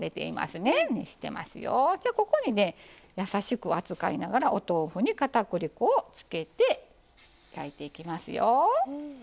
ここにね優しく扱いながらお豆腐に片栗粉をつけて焼いていきますよ。